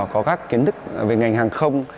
có các kiến thức về ngành hàng không